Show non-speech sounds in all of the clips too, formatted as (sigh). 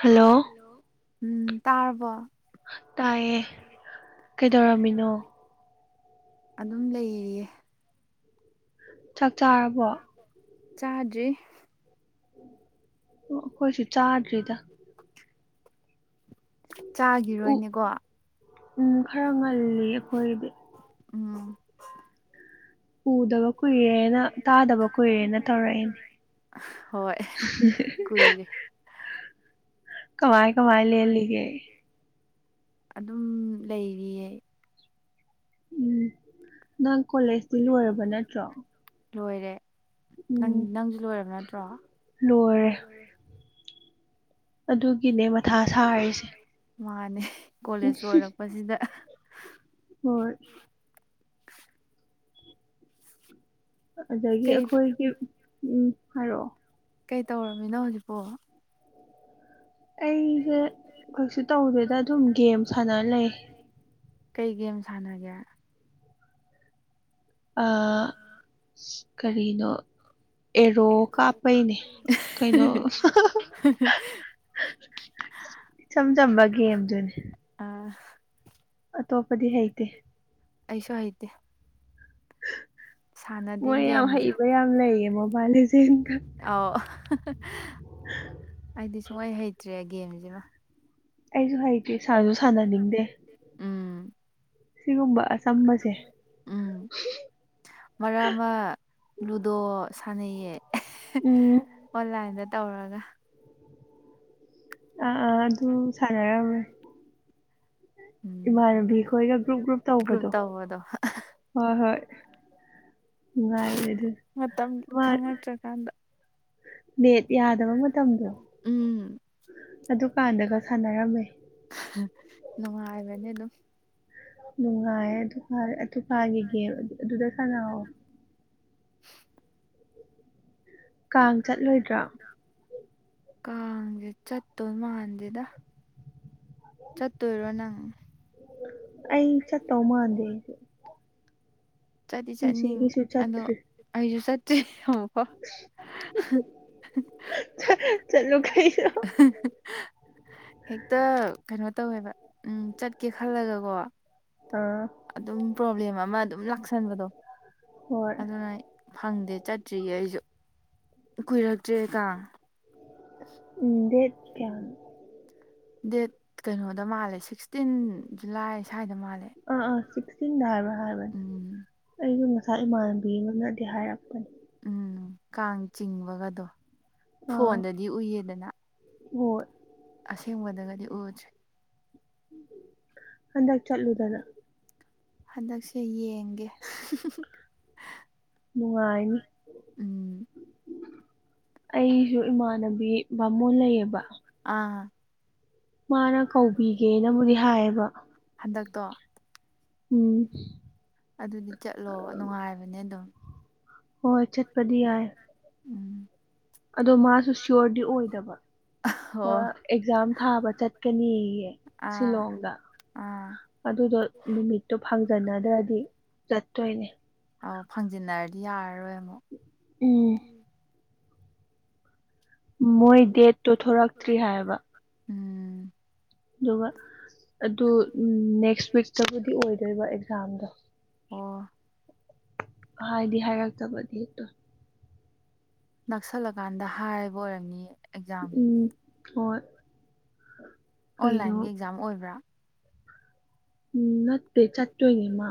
hello ꯎꯝ ꯇꯥꯔꯔꯕ ꯇꯥꯏꯌꯦ ꯀꯩꯗꯧꯔꯝꯃꯤꯅꯣ ꯑꯗꯨꯝ ꯂꯩꯌꯦ ꯆꯥꯛ ꯆꯥꯔꯕꯣ ꯆꯥꯗ꯭ꯔꯤ ꯑꯩꯈꯣꯏꯁꯨ ꯆꯥꯗ꯭ꯔꯤꯗ ꯎ ꯆꯥꯈꯤꯔꯣꯏꯅꯦꯀꯣ ꯎꯝ ꯈꯔ ꯉꯜꯂꯤ ꯑꯩꯈꯣꯏꯗꯤ ꯎꯝ ꯎꯗꯕ ꯀꯨꯏꯔꯦꯅ ꯇꯥꯗꯕ ꯀꯨꯏꯔꯦꯅ ꯇꯧꯔꯛꯏꯅꯦ ꯍꯣꯏ ꯀꯨꯏꯔꯦ ꯀꯃꯥꯏ ꯀꯃꯥꯏ ꯂ‌ꯦꯜꯂꯤꯒꯦ ꯑꯗꯨꯝ ꯂꯩꯔꯤꯌꯦ ꯎꯝ ꯅꯪ ꯀꯣꯂꯦꯖꯇꯤ ꯂꯣꯏꯔꯕ ꯅꯠꯇ꯭ꯔꯣ ꯂꯣꯏꯔꯦ ꯅꯪ ꯎꯝ ꯅꯪꯁꯨ ꯂꯣꯏꯔꯕ ꯅꯠꯇ꯭ꯔꯣ ꯂꯣꯏꯔꯦ ꯑꯗꯨꯒꯤꯅꯦ ꯃꯊꯥ ꯁꯥꯔꯤꯁꯦ ꯃꯥꯅꯦ ꯀꯣꯂꯦꯖ ꯂꯣꯏꯔꯛꯄꯖꯤꯗ ꯍꯣꯏ ꯑꯗꯒꯤ ꯀꯩ ꯑꯩꯈꯣꯏꯒꯤ ꯎꯝ ꯍꯥꯏꯔꯛꯑꯣ ꯀꯩ ꯇꯧꯔꯝꯃꯤꯅꯣ ꯍꯧꯖꯤꯛꯄꯣ ꯑꯩꯖꯨ ꯀꯩꯁꯨ ꯇꯧꯗꯦꯗ ꯑꯗꯨꯝ ꯒꯦꯝ ꯁꯥꯟꯅ ꯂꯩ ꯀꯩ ꯒꯦꯝ ꯁꯥꯟꯅꯒꯦ ꯑꯥ ꯀꯔꯤꯅꯣ ꯑꯦꯔꯣ ꯀꯥꯞꯄꯩꯅꯦ ꯀꯩꯅꯣ ꯏꯆꯝ ꯆꯝꯕ ꯒꯦꯝꯗꯨꯅꯤ ꯑꯥ ꯑꯇꯣꯞꯄꯗꯤ ꯍꯩꯇꯦ ꯑꯩꯁꯨ ꯍꯩꯇꯦ ꯁꯥꯟꯅꯗꯦ ꯃꯣꯏ ꯌꯥꯝ ꯒꯦꯝꯁꯦ ꯍꯩꯕ ꯌꯥꯝ ꯂꯩꯌꯦ ꯃꯣꯕꯥꯏꯜꯂ‌ꯦꯖ‌ꯦꯟꯗ ꯑꯥꯎ (unintelligible) (unintelligible) ꯑꯩꯗꯤ ꯁꯨꯡꯍꯩ ꯍꯩꯇ꯭ꯔꯦ ꯒꯦꯝꯁꯤꯃ ꯑꯩꯖꯨ ꯍꯩꯇꯔꯤ ꯁꯥꯁꯨ ꯁꯥꯟꯅꯅꯤꯡꯗꯦ ꯎꯝ ꯁꯤꯒꯨꯝꯕ ꯑꯆꯝꯕꯁꯦ (inaudible) ꯎꯝ ꯃꯔꯛ ꯑꯃ ꯂꯨꯗꯣ ꯁꯥꯟꯅꯩꯌꯦ ꯎꯝ ꯑꯣꯟꯂꯥꯏꯟꯗ ꯇꯧꯔꯒ ꯑꯥ ꯑꯥ ꯑꯗꯨ ꯁꯥꯟꯅꯔꯝꯃꯦ ꯎꯝ ꯏꯃꯥꯟꯅꯕꯤ ꯍ‌ꯣꯏꯒ ꯒ꯭ꯔꯨꯞ (unintelligible) ꯒ꯭ꯔꯨꯞ ꯇꯧꯕꯗꯣ ꯍ‌ꯣꯏ ꯍꯣꯏ ꯍꯣꯏ ꯅꯨꯡꯉꯥꯏꯕꯅꯦ ꯑꯗꯨ ꯃꯇꯝ ꯈꯪꯉꯛꯇ꯭ꯔꯀꯥꯟꯗ ꯅ‌ꯦꯠ ꯌꯥꯗꯕ ꯃꯇꯝꯗꯣ ꯎꯝ ꯑꯗꯨꯀꯥꯟꯗꯒ ꯁꯥꯟꯅꯔꯝꯃꯦ ꯅꯨꯡꯉꯥꯏꯕꯅꯦ ꯑꯗꯨꯝ ꯅꯨꯡꯉꯥꯏꯌꯦ ꯑꯗꯨꯀꯥꯟ ꯑꯗꯨꯀꯥꯒꯤ ꯒꯦꯝ ꯑꯗꯨꯗ ꯁꯥꯟꯅꯥꯥꯎ ꯀꯥꯡ ꯆꯠꯂꯣꯏꯗ꯭ꯔꯣ ꯀꯥꯡꯖ‌ꯦ ꯆꯠꯇꯣꯏ ꯃꯥꯟꯗ‌ꯦꯗ ꯆꯠꯇꯣꯏꯔꯣ ꯅꯪ ꯑꯩ ꯆꯠꯇꯧ ꯃꯥꯟꯗꯦ ꯑꯩꯁꯨ ꯆꯠꯗꯤ ꯆꯠꯅꯤꯡ ꯄꯨꯟꯁꯤꯒꯤꯁꯨ ꯑꯗꯣ ꯆꯠꯇ꯭ꯔꯤ ꯑꯩꯁꯨ ꯆꯠꯇ꯭ꯔꯤ ꯑꯃꯨꯛ ꯆꯠꯂꯨ ꯀꯩꯅꯣ (unintelligible) ꯍꯦꯛꯇ ꯀꯩꯅꯣ ꯇꯧꯋꯦꯕ ꯎꯝ ꯆꯠꯀꯦ ꯈꯜꯂꯒꯀꯣ ꯑꯥ ꯑꯗꯨꯝ ꯄ꯭ꯔꯣꯕ꯭ꯂꯦꯝ ꯑꯃ ꯑꯗꯨꯝ ꯂꯥꯛꯁꯟꯕꯗꯣ ꯍꯣꯏ ꯑꯗꯨꯅ ꯐꯪꯗꯦ ꯆꯠꯇ꯭ꯔꯤꯌꯦ ꯑꯩꯁꯨ ꯀꯨꯏꯔꯛꯇ꯭ꯔꯦ ꯀꯥꯡ ꯎꯝ ꯗꯦꯠ ꯀꯌꯥꯅ ꯗꯦꯠ ꯀꯩꯅꯣꯗ ꯃꯥꯜꯂꯦ ꯁꯤꯛꯁꯇꯤꯟ ꯖꯨꯂꯥꯏ ꯁ꯭ꯋꯥꯏꯗ ꯃꯥꯜꯂꯦ ꯑ ꯑ ꯁꯤꯛꯁꯇꯤꯟꯗꯥ ꯍꯥꯏꯕꯔ ꯎꯝ ꯑꯩꯁꯨ ꯉꯁꯥꯏ ꯏꯃꯥꯟꯅꯕꯤ ꯑꯃꯅꯗꯤ ꯍꯥꯏꯔꯛꯄꯅꯤ ꯎꯝ ꯀꯥꯡ ꯆꯤꯡꯕꯒꯗꯣ ꯑꯥ ꯐꯣꯟꯗꯗꯤ ꯎꯏꯌꯦꯗꯅ ꯍꯣꯏ ꯑꯁꯦꯡꯕꯗꯒꯗꯤ ꯎꯗꯦ ꯍꯟꯗꯛ ꯆꯠꯂꯨꯗꯅ ꯍꯟꯗꯛꯁꯦ ꯌꯦꯡꯒꯦ ꯅꯨꯡꯉꯥꯏꯅꯤ ꯎꯝ ꯑꯩꯁꯨ ꯏꯃꯥꯟꯅꯕꯤ ꯕꯥꯃꯣꯟ ꯂꯩꯌꯦꯕ ꯑꯥ ꯃꯥꯅ ꯀꯧꯕꯤꯒꯦꯅꯕꯨꯗꯤ ꯍꯥꯏꯌꯦꯕ ꯍꯟꯗꯛꯇꯣ ꯎꯝ ꯑꯗꯨꯗꯤ ꯆꯠꯂꯣ ꯅꯨꯡꯉꯥꯏꯕꯅꯦ ꯑꯗꯨꯝ ꯍꯣꯏ ꯆꯠꯄꯗꯤꯏ ꯎꯝ ꯑꯗꯣ ꯃꯥꯁꯨ ꯁꯌꯣꯔꯗꯤ ꯑꯣꯏꯗꯕ ꯍꯣ ꯃꯥ ꯑꯦꯛꯖꯥꯝ ꯊꯥꯕ ꯆꯠꯀꯅꯤꯌꯦ ꯑꯥ ꯁꯤꯂꯣꯡꯗ ꯑꯥ ꯑꯗꯨꯗꯣ ꯅꯨꯃꯤꯠꯇꯣ ꯐꯪꯖꯟꯅꯗ꯭ꯔꯗꯤ ꯆꯠꯇꯣꯏꯅꯦ ꯑꯧ ꯐꯪꯖꯤꯟꯅꯔꯗꯤ ꯌꯥꯔꯔꯣꯏ ꯑꯃꯨꯛ ꯎꯝ ꯃꯣꯏ ꯗꯦꯠꯇꯣ ꯊꯣꯔꯛꯇ꯭ꯔꯤ ꯍꯥꯏꯕ ꯎꯝ ꯑꯗꯨꯒ ꯑꯗꯨ ꯅꯦꯛꯁ ꯋꯤꯛꯇꯕꯨꯗꯤ ꯑꯣꯏꯗꯣꯏꯕ ꯑꯦꯛꯖꯥꯝꯗꯣ ꯑꯣ ꯍꯥꯏꯗꯤ ꯍꯥꯏꯔꯛꯇꯕꯗꯤ ꯍꯦꯛꯇꯣꯏ ꯅꯛꯁꯜꯂꯀꯥꯟꯗ ꯍꯥꯏꯕ ꯑꯣꯏꯔꯝꯅꯤ ꯎꯝ ꯍꯣꯏ ꯀꯩꯅꯣ ꯑꯣꯟꯂꯥꯏꯟꯒꯤ ꯑꯦꯛꯖꯥꯝ ꯑꯣꯏꯕ꯭ꯔꯥ ꯎꯝ ꯅꯠꯇꯦ ꯆꯠꯇꯣꯏꯅꯦ ꯃꯥ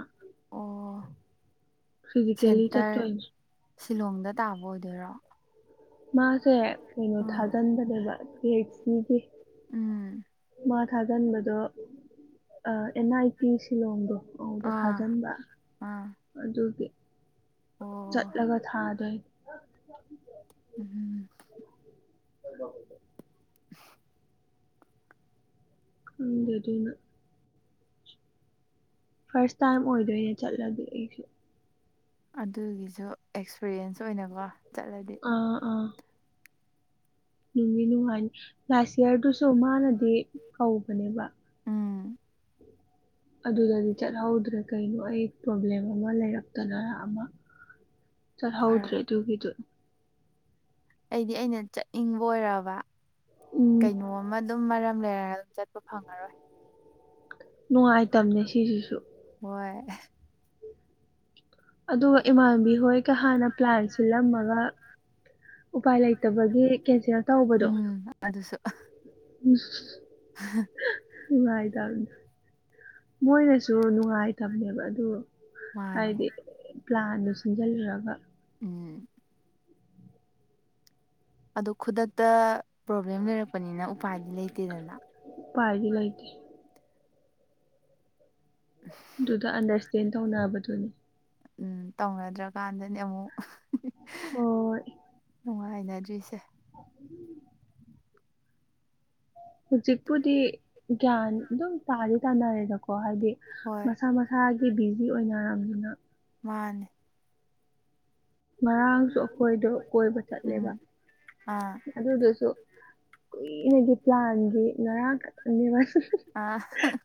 ꯑꯣ ꯐꯤꯖꯤꯀꯦꯜꯂꯤ ꯁꯦꯟꯇꯔ ꯆꯠꯇꯣꯏꯅꯦ ꯁꯤꯂꯣꯡꯗ ꯇꯥꯕ ꯑꯣꯏꯗꯣꯏꯔꯣ ꯃꯥꯁꯦ ꯀꯩꯅꯣ ꯎꯝ ꯊꯥꯖꯤꯟꯕꯅꯦꯕ ꯁꯤꯒꯤ ꯎꯝ ꯃꯥ ꯊꯥꯒꯟꯕꯗꯣ ꯑꯦꯟ ꯑꯥꯏ ꯇꯤ ꯁꯤꯂꯣꯡꯗꯣ ꯃꯧꯗ ꯑꯥ ꯊꯥꯖꯤꯟꯕ ꯑꯥ ꯑꯗꯨꯗꯤ ꯑꯣ ꯆꯠꯂꯒ ꯊꯥꯗ ꯎꯝꯝ ꯍ (unintelligible) ꯎꯝ ꯑꯗꯨ ꯑꯗꯨꯅ ꯐꯥꯔꯁ ꯇꯥꯏꯝ ꯑꯣꯏꯗꯣꯏꯅꯦ ꯆꯠꯂꯗꯤ ꯑꯩꯁꯨ ꯑꯗꯨꯒꯤꯁꯨ ꯑꯦꯛꯁꯄꯤꯔꯤꯌꯦꯟꯁ ꯑꯣꯏꯅꯀꯣ ꯆꯠꯂꯗꯤ ꯑꯥ ꯑꯥ ꯅꯨꯡꯒꯤ ꯅꯨꯡꯉꯥꯏꯅꯤ ꯂꯥꯁ ꯏꯌꯥꯔꯗꯨꯁꯨ ꯃꯥꯅꯗꯤ ꯀꯧꯕꯅꯦꯕ ꯎꯝ ꯑꯗꯨꯗꯤ ꯆꯠꯍꯧꯗ꯭ꯔꯦ ꯀꯩꯅꯣ ꯑꯩ ꯄ꯭ꯔꯣꯕ꯭ꯂꯦꯝ ꯑꯃ ꯂꯩꯔꯛꯇꯗꯅ ꯑꯃ ꯆꯠ ꯍꯥꯑꯣꯗꯔ꯭ꯦ ꯐꯔꯛ ꯑꯗꯨꯒꯤꯗꯣ ꯑꯩꯗꯤ ꯑꯩꯅ ꯆꯠꯅꯤꯡꯕ ꯑꯣꯏꯔꯕ ꯎꯝ ꯀꯩꯅꯣ ꯑꯃ ꯑꯗꯨꯝ ꯃꯔꯝ ꯂꯩꯔꯒ ꯑꯗꯨꯝ ꯆꯠꯄ ꯐꯪꯉꯔꯣꯏ ꯅꯨꯡꯉꯥꯏ ꯅꯨꯡꯉꯥꯏꯇꯕꯅꯦ ꯁꯤꯁꯤꯁꯨ ꯍꯣꯏ ꯑꯗꯨꯒ ꯏꯃꯥꯟꯕꯤ ꯍꯣꯏꯒ ꯍꯥꯟꯅ ꯄ꯭ꯂꯥꯟ ꯁꯤꯜꯂꯝꯃꯒ ꯎꯄꯥꯏ ꯂꯩꯇꯕꯒꯤ ꯀꯦꯟꯁꯦꯜ ꯇꯧꯕꯗꯣ ꯎꯝ ꯑꯗꯨꯁꯨ ꯎꯉꯥꯏ ꯇꯔ ꯃꯣꯏꯅꯁꯨ ꯅꯨꯡꯉꯥꯏꯇꯝꯃꯦꯕ ꯑꯗꯨ ꯃꯥꯅꯦ ꯍꯥꯏꯗꯤ ꯄ꯭ꯂꯥꯟꯗꯨ ꯁꯤꯟꯖꯜꯂꯨꯔꯒ ꯎꯝ ꯑꯗꯣ ꯈꯨꯗꯛꯇ ꯄ꯭ꯔꯣꯕ꯭ꯂꯦꯝ ꯂꯩꯔꯛꯄꯅꯤꯅ ꯎꯄꯥꯏꯗꯤ ꯂꯩꯇꯦꯗꯅ ꯄꯗꯤ ꯂꯩꯇꯦ ꯑꯗꯨꯗ ꯑꯟꯗꯔꯁꯇꯦꯟ ꯇꯧꯅꯕꯗꯨꯅꯤ ꯎꯝ ꯇꯧꯅꯗ꯭ꯔꯀꯥꯟꯗꯅꯦ ꯑꯃꯨꯛ ꯍꯣꯏ ꯅꯨꯡꯉꯥꯏꯅꯗ꯭ꯔꯤꯁꯦ (unintelligible) ꯍꯧꯖꯤꯛꯄꯨꯗꯤ ꯒ꯭ꯌꯥꯟ ꯑꯗꯨꯝ ꯇꯥꯗꯤ ꯇꯥꯅꯔꯦꯗꯀꯣ ꯍꯥꯏꯗꯤ ꯍꯣꯏ ꯃꯁꯥ ꯃꯁꯥ ꯏꯁꯥꯒꯤ ꯕꯤꯖꯤ ꯑꯣꯏꯅꯔꯕꯝꯅꯤꯅ ꯃꯥꯅꯤ ꯉꯥꯔꯡꯁꯨ ꯑꯩꯈꯣꯏꯗꯣ ꯀꯣꯏꯕ ꯎꯝ ꯆꯠꯂꯦꯕ ꯑꯥ ꯑꯗꯨꯗꯨꯁꯨ ꯀꯨꯏꯅꯒꯤ ꯄ꯭ꯂꯥꯟꯒꯤ ꯉꯔꯡ ꯈꯠꯇꯅꯦꯕ ꯑꯥ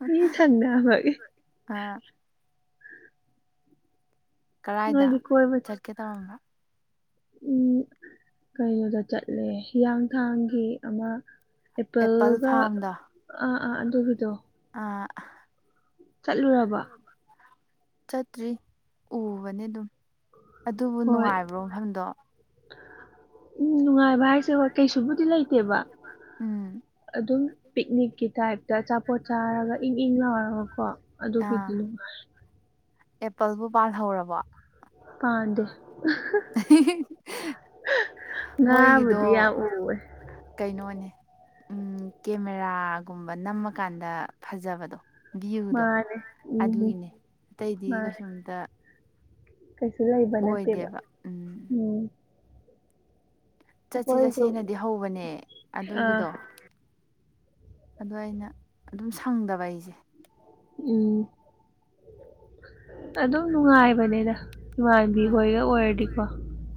ꯃꯤ ꯁꯪꯅꯕꯒꯤ ꯑꯥ ꯀꯔꯥꯏꯗ ꯅꯣꯏꯗꯤ ꯀꯣꯏꯕ ꯆꯠꯀꯦ ꯇꯧꯔꯝꯕ ꯎꯝ ꯀꯩꯅꯣꯗ ꯆꯠꯂꯦ ꯍꯤꯌꯥꯡꯊꯥꯡꯒꯤ ꯑꯃ ꯑꯦꯄꯜ ꯑꯦꯄꯜꯒ ꯐꯥꯔꯝꯗꯣ ꯑ ꯑꯥ ꯑꯗꯣ ꯒꯤꯗꯣ ꯑꯥ ꯆꯠꯂꯨꯔꯕ ꯆꯠꯇ꯭ꯔꯤ ꯎꯕꯅꯤ ꯑꯗꯨꯝ ꯑꯗꯨꯕꯨ ꯍꯣꯏ ꯅꯨꯡꯉꯥꯏꯕ꯭ꯔꯣ ꯃꯐꯝꯗꯣ ꯎꯝ ꯅꯨꯡꯉꯥꯏꯕ ꯍꯥꯏꯁꯦ ꯍꯣꯏ ꯀꯩꯁꯨꯕꯨꯗꯤ ꯂꯩꯇꯦꯕ ꯎꯝ ꯑꯗꯨꯝ ꯄꯤꯛꯅꯤꯛꯀꯤ ꯇꯥꯏꯞꯇ ꯑꯆꯥꯄꯣꯠ ꯆꯥꯔꯒ ꯏꯪ ꯏꯪ ꯂꯥꯎꯔꯒꯀꯣ ꯑꯥ ꯑꯗꯨꯒꯤꯗꯤ ꯅꯨꯡꯉꯥꯏ ꯑꯦꯄꯜꯕꯨ ꯄꯥꯜꯍꯧꯔꯕꯣ ꯄꯥꯝꯗꯦ (unintelligible) ꯃꯣꯏꯒꯤꯗꯣ ꯉꯥꯕꯨꯗꯤ ꯌꯥꯝ ꯎꯋꯦ ꯀꯩꯅꯣꯅꯦ ꯎꯝ ꯀꯦꯃꯦꯔꯥꯒꯨꯝꯕ ꯅꯝꯃꯀꯥꯟꯗ ꯐꯖꯕꯗꯣ ꯚꯤꯌꯨꯗꯣ ꯃꯥꯅꯦ ꯎꯝ ꯑꯗꯨꯒꯤꯅꯦ ꯑꯇꯩꯗꯤ ꯃꯥꯅꯦ ꯀꯩꯁꯨꯝꯇ ꯀꯩꯁꯨ ꯂꯩꯕ ꯅꯠꯇꯦꯕ ꯑꯣꯏꯗꯦꯕ ꯎꯝ ꯑꯝ ꯆꯠꯁꯤ ꯑꯩꯈꯣꯏꯁꯨ ꯆꯠꯁꯅꯗꯤ ꯍꯧꯕꯅꯦ ꯑꯥ ꯑꯗꯨꯒꯤꯗꯣ ꯑꯗꯣ ꯑꯩꯅ ꯑꯗꯨꯝ ꯁꯪꯗꯕ ꯑꯩꯁꯦ ꯎꯝ ꯑꯗꯨꯝ ꯅꯨꯡꯉꯥꯏꯕꯅꯦꯗ ꯏꯃꯥꯟꯕꯤ ꯍꯣꯏꯒ ꯑꯣꯏꯔꯗꯤꯀꯣ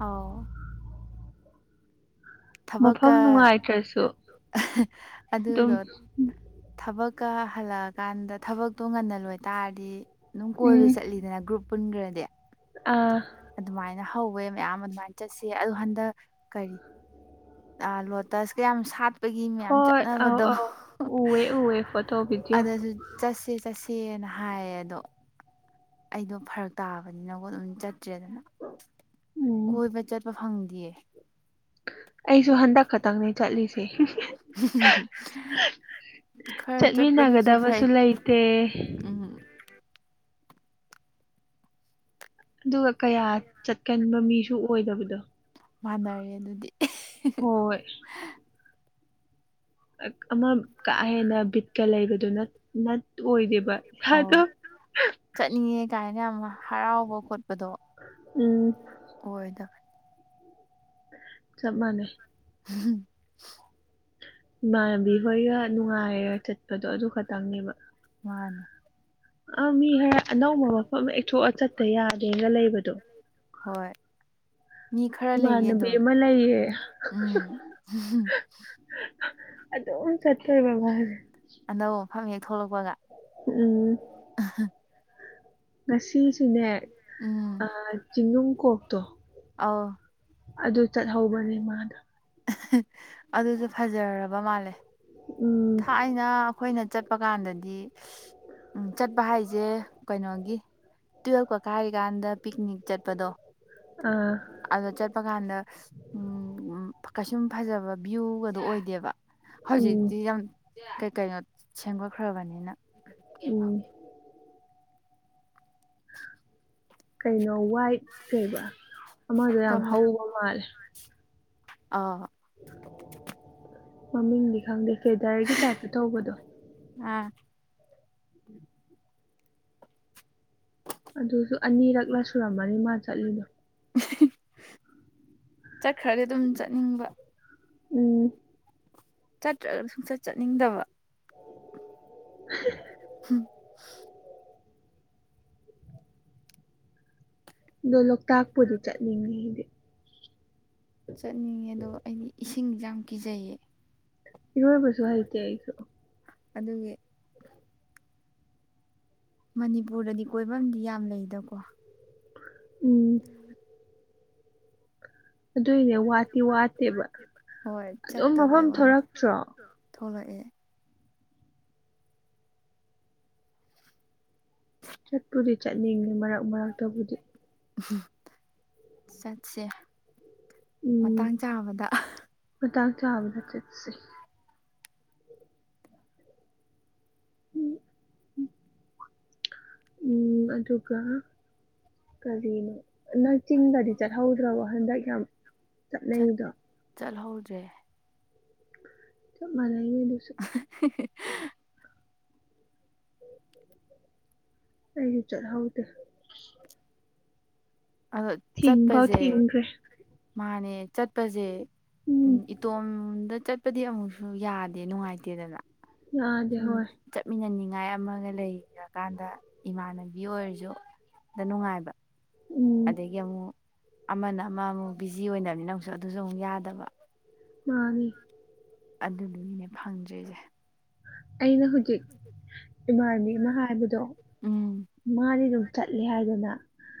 ꯑꯥꯎ ꯊꯕꯛꯀ ꯃꯐꯝ ꯅꯨꯡꯉꯥꯏꯇ꯭ꯔꯁꯨ ꯑꯗꯨꯝ ꯑꯗꯨꯗꯣ ꯊꯕꯛꯀ ꯍꯜꯂꯛꯑꯀꯥꯟꯗ ꯊꯕꯛꯇꯣ ꯉꯟꯅꯜ ꯂꯣꯏ ꯇꯔꯗꯤ ꯑꯗꯨꯝ ꯀꯣꯏꯕ ꯎꯝ ꯆꯠꯂꯤꯗꯅ ꯒ꯭ꯔꯨꯞ ꯄꯨꯟꯒꯔ ꯗꯤ ꯑꯥ ꯑꯗꯨꯃꯥꯏꯅ ꯍꯧꯋꯦ ꯃꯌꯥꯝ ꯑꯗꯨꯃꯥꯏꯅ ꯆꯠꯁꯦ ꯑꯗꯣ ꯍꯟꯗꯛ ꯀꯔꯤ ꯑ ꯂꯣꯇꯁ ꯀ ꯌꯥꯝ ꯁꯥꯠ ꯄꯒꯤ ꯃꯌꯥꯝ ꯍꯣꯏ ꯑꯧ ꯆꯠꯅꯕꯗꯣ ꯑꯧ ꯎꯋꯦ ꯎꯋꯦ ꯐꯣꯇꯣ ꯚꯤꯗꯤꯑꯣ ꯑꯗꯨꯗꯁꯨ ꯆꯠꯁꯤ ꯆꯠꯁꯦꯅ ꯍꯥꯏꯌꯦ ꯑꯗꯣ ꯑꯩꯗꯣ ꯐꯔꯛ ꯇꯥꯕꯅꯤꯅꯀꯣꯠ ꯑꯗꯨꯝ ꯆꯠꯇ꯭ꯔꯦꯗꯅ ꯎꯝ ꯀꯣꯏꯕ ꯆꯠꯄ ꯐꯪꯗꯤꯌꯦ ꯑꯩꯁꯨ ꯍꯟꯗꯛ ꯆꯠꯂꯦ ꯈꯔꯥ ꯆꯥꯠ ꯄꯅꯁꯨ ꯐꯩ ꯆꯠꯃꯤꯟꯅꯒꯗꯕꯁꯨ ꯂꯩꯇꯦ ꯎꯝ ꯑꯗꯨꯒ ꯀꯌꯥ ꯆꯠꯀꯟꯕ ꯃꯤꯁꯨ ꯑꯣꯏꯗꯕꯗꯣ ꯃꯥꯟꯅꯔꯦ ꯑꯗꯨꯗꯤ ꯍꯣꯏ ꯑꯃ ꯀꯥ ꯍꯦꯟꯅ ꯕꯤꯠꯀ ꯂꯩꯕꯗꯨꯣ ꯅ ꯑꯣꯏꯗꯦꯕ ꯑꯧ ꯏꯁꯥꯗꯣ ꯆꯠꯅꯤꯡꯉꯦ ꯀꯥꯏꯅ ꯌꯥꯝ ꯍꯔꯥꯎꯕ ꯈꯣꯠꯄꯗꯣ ꯎꯝ ꯑꯣꯏꯗꯕ ꯆꯞ ꯃꯥꯟꯅꯦ ꯍꯝ ꯏꯃꯥꯟꯅꯕꯤ ꯍꯣꯏꯒ ꯅꯨꯡꯉꯥꯏꯔꯒ ꯆꯠꯄꯗꯣ ꯑꯗꯨ ꯈꯛꯇꯪꯅꯦꯕ ꯃꯥꯅꯦ ꯑ ꯃꯤ ꯈꯔ ꯑꯅꯧꯕ ꯃꯐꯝ ꯑꯦꯛꯊꯣꯛꯑ ꯆꯠꯇ ꯌꯥꯒꯦꯅꯒ ꯂꯩꯕꯗꯣ ꯍꯣꯌ ꯃꯤꯈꯔꯥ ꯂꯩ ꯑꯦ ꯏꯃꯥꯟꯅꯕꯤ ꯑꯗꯨꯝ ꯑꯃ ꯂꯩꯌꯦ ꯑꯗꯨ ꯑꯗꯨ ꯆꯠ (unintelligible) ꯑꯅꯧꯕ ꯃꯐꯝ ꯍꯦꯛ ꯊꯣꯛꯂꯛꯄꯒ ꯎꯝ (unintelligible) ꯉꯁꯤꯁꯨꯅꯦ ꯎꯝ ꯆꯤꯡꯅꯨꯡ ꯀꯣꯛꯇꯣ ꯑꯥꯎ ꯑꯗꯨ ꯆꯠꯍꯧꯕꯅꯦ ꯃꯥꯗꯣ ꯑꯗꯨꯁꯨ ꯐꯖꯔꯕ ꯃꯥꯜꯂꯦ ꯎꯝ ꯑꯩꯅ ꯑꯩꯈꯣꯏꯅ ꯆꯠꯄ ꯀꯥꯟꯗꯗꯤ ꯎ ꯆꯠꯄ ꯍꯥꯏꯁꯦ ꯀꯩꯅꯣꯒꯤ ꯇꯨꯌꯦꯜꯐ ꯀ ꯀꯥꯏꯔꯤꯀꯥꯟꯗ ꯄꯤꯛꯅꯤꯛ ꯆꯠꯄꯗꯣ ꯑꯥ ꯑꯗꯣ ꯆꯠꯄ ꯀꯥꯟꯗ ꯎ ꯀꯩꯁꯨꯝ ꯐꯖꯕ ꯚ꯭ꯌꯨꯒꯗꯣ ꯑꯣꯏꯗꯦꯕ ꯎꯝ ꯍꯧꯖꯤꯛꯇꯤ ꯌꯥꯝꯩ ꯀꯩꯅꯣ ꯁꯦꯝꯒꯠꯈ꯭ꯔꯕꯅꯤꯅ ꯎꯝ ꯀꯩꯅꯣ ꯋꯥꯏꯠ ꯀꯩꯕ ꯑꯃꯗꯣ ꯌꯥꯝ ꯀꯃ ꯍꯧꯕ ꯃꯥꯜꯂꯦ ꯑꯥ ꯃꯃꯤꯡꯗꯤ ꯈꯪꯗꯦ ꯀꯦꯗꯔꯒꯤ ꯇꯥꯏꯞꯇ ꯇꯧꯕꯗꯣ ꯑꯥ ꯑꯗꯨꯁꯨ ꯑꯅꯤꯔꯛꯂ ꯁꯨꯔꯝꯃꯅꯤ ꯃꯥ ꯆꯠꯂꯤꯗꯣ ꯆꯠꯈ꯭ꯔꯗꯤ ꯑꯗꯨꯝ ꯆꯠꯅꯤꯡꯕ ꯎꯝ ꯆꯠꯇ꯭ꯔꯒ ꯁꯨꯡꯆꯠ ꯆꯠꯅꯤꯡꯗꯕ (inaudible) ꯎꯝ ꯑꯗꯣ ꯂꯣꯛꯇꯥꯛꯄꯨꯗꯤ ꯆꯠꯅꯤꯡꯉꯤ ꯍꯥꯏꯗꯤ ꯑꯩ ꯆꯠꯄ ꯄꯥꯝꯃꯤ ꯑꯗꯨꯕꯨ ꯏꯁꯤꯡꯗ ꯑꯩ ꯀꯤꯕꯤ ꯏꯔꯣꯏꯕꯁꯨ ꯍꯩꯇꯦ ꯑꯩꯁꯨ ꯑꯗꯨꯒꯤ ꯃꯅꯤꯄꯨꯔꯗꯗꯤ ꯀꯣꯏꯐꯝꯗꯤ ꯌꯥꯝ ꯂꯩꯗꯀꯣ ꯎꯝ ꯑꯗꯨꯏꯅꯦ ꯋꯥꯠꯇꯤ ꯋꯥꯠꯇꯦꯕ ꯍꯣꯏ ꯑꯗꯨꯝ ꯃꯐꯝ ꯆꯠꯇꯕꯩ ꯋꯥꯅꯤ ꯊꯣꯔꯛꯇ꯭ꯔꯣ ꯊꯣꯛꯂꯛꯑꯦ ꯆꯠꯄꯨꯗꯤ ꯆꯠꯅꯤꯡꯉꯦ ꯃꯔꯛ ꯃꯔꯛꯇꯕꯨꯗꯤ ꯆꯠꯁꯦ ꯃꯇꯥꯡ ꯆꯥꯕꯗ ꯃ ꯇ ꯆꯥꯕꯗ ꯆꯦꯁꯤ ꯎꯝ ꯎꯝ ꯎꯝ ꯑꯗꯨꯒ ꯀꯔꯤꯅꯣ ꯅꯪ ꯆꯤꯡꯗꯗꯤ ꯆꯠꯍꯧꯗ꯭ꯔꯕꯣ ꯍꯟꯗꯛ ꯌꯥꯝ ꯆꯠꯅꯩꯗꯣ ꯆꯠꯍꯧꯗ꯭ꯔꯦ ꯆꯞ ꯃꯅꯩ ꯗꯨꯗꯨ (unintelligible) ꯑꯩ ꯆꯂ ꯍꯥꯎꯗ ꯑꯗꯣꯆꯠ ꯊꯤꯡꯐꯥꯎ ꯄꯥꯁꯦ ꯊꯤꯡꯈ꯭ꯔꯦ ꯃꯥꯅꯦ ꯆꯠꯄꯁꯦ ꯎꯝ ꯏꯇꯣꯝꯗ ꯆ ꯆꯠꯄꯗꯤ ꯑꯃꯨꯛꯁꯨ ꯌꯥꯗꯦ ꯅꯨꯡꯉꯥꯏꯇꯦꯗꯅ ꯌꯥꯗꯦ ꯁꯨꯝ ꯍꯣꯏ ꯆꯠꯃꯤꯟꯅ ꯅꯤꯡꯉꯥꯏ ꯑꯃꯒ ꯂꯩꯈ꯭ꯔꯀꯥꯟꯗ ꯏꯃꯥꯟꯅꯕꯤ ꯑꯣꯏꯔꯁꯨ ꯑꯗ ꯅꯨꯡꯉꯥꯏꯕ ꯎꯝ ꯑꯗꯒꯤ ꯑꯃꯨꯛ ꯑꯃꯅ ꯑꯃ ꯑꯃꯨꯛ ꯕꯤꯖꯤ ꯑꯣꯏꯅꯕꯅꯤꯅ ꯑꯃꯨꯛꯁꯨ ꯑꯗꯨꯁꯨ ꯑꯃꯨꯛ ꯌꯥꯗꯕ ꯃꯅꯤ ꯑꯗꯨꯗꯨꯅꯤꯅꯦ ꯐꯪꯗ꯭ꯔꯤꯁꯦ ꯑꯩꯅ ꯍꯧꯖꯤꯛ ꯏꯃꯥꯟꯕꯤ ꯑꯃ ꯍꯥꯏꯕꯗꯣ ꯎꯝ ꯃꯥꯗꯤ ꯑꯗꯨꯝ ꯆꯠꯂꯦ ꯍꯥꯏꯗꯅ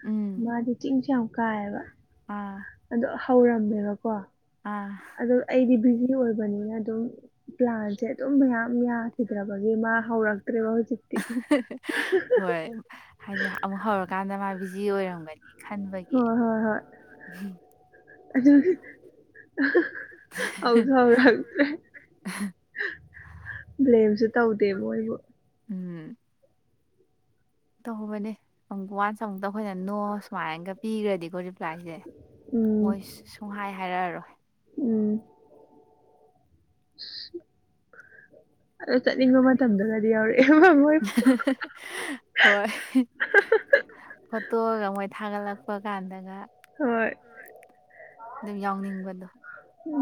ꯎꯝ ꯃꯥꯗꯤ ꯆꯤꯡꯁꯨ ꯌꯥꯝ ꯀꯥꯏꯑꯕ ꯑꯥ ꯑꯗꯣ ꯍꯧꯔꯝꯃꯦꯕꯀꯣ ꯑꯥ ꯑ ꯑꯩꯗꯤ ꯕꯤꯖꯤ ꯑꯣꯏꯕꯅꯤꯅ ꯑꯗꯨꯝ ꯄ꯭ꯂꯥꯟꯁꯦ ꯑꯗꯨꯝ ꯃꯌꯥꯝ ꯌꯥꯈꯤꯗ꯭ꯔꯕꯒꯤ ꯃꯥ ꯍꯧꯔꯛꯇ꯭ꯔꯦꯕ ꯍꯧꯖꯤꯛꯇꯤ ꯍꯣꯏ ꯍꯥꯏꯗꯤ ꯑꯃꯨꯛ ꯍꯧꯔꯀꯥꯟꯗ ꯃꯥ ꯕꯤꯖꯤ ꯑꯣꯏꯔꯝꯒꯅꯤ ꯈꯟꯕꯒꯤ ꯍꯣꯏ (unintelligible) ꯍꯥꯎꯁꯨ ꯍꯥꯎꯔꯛꯇ꯭ꯔꯦ ꯏꯕꯨꯕ꯭ꯂꯥꯝꯁꯦ ꯇꯧꯗꯦ ꯃꯣꯏꯕꯨ ꯎꯝ ꯇꯍꯧꯕꯅꯦ ꯑꯃꯨꯛ ꯋꯥꯟꯁ ꯑꯃꯨꯛꯇ ꯑꯩꯈꯣꯏꯅ ꯅꯣ ꯁꯨꯃꯥꯏꯅꯒ ꯄꯤꯈ꯭ꯔꯗꯤ ꯑꯩꯣ ꯂꯥꯛꯁꯦ ꯎꯝ ꯃꯣꯏ ꯁꯨꯡ ꯍꯥꯏ ꯍꯥꯏꯔꯛꯑꯔꯣꯏ ꯎꯝ ꯑꯣ ꯆꯠꯅꯤꯡꯕ ꯃꯇꯝꯗꯨꯒꯗꯤ ꯌꯥꯎꯔꯛꯑꯦ ꯃꯣꯏ ꯎꯝ ꯍꯣꯏ ꯐꯣꯇꯣꯒ ꯃꯣꯏ ꯊꯥꯒꯠꯂꯛꯄ ꯀꯥꯟꯗꯒ ꯍꯣꯏ ꯑꯗꯨꯝ ꯌꯥꯎꯅꯤꯡꯕꯗꯣ ꯎ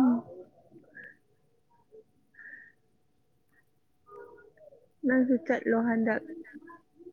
ꯅꯪꯁꯨ ꯆꯠꯂꯣ ꯍꯟꯗꯛ